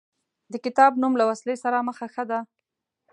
د کتاب نوم له وسلې سره مخه ښه دی.